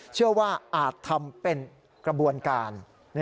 เชื่อว่าอาจทำเป็นกระบวนการ